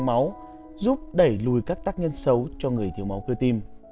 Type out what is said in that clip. cà chua giúp đẩy lùi các tác nhân sâu cho người thiếu máu khưa tim